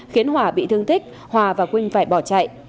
khiến hòa bị thương tích hòa và quynh phải bỏ chạy